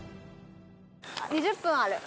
２０分ある。